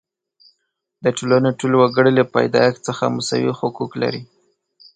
د ټولنې ټول وګړي له پیدایښت څخه مساوي حقوق لري.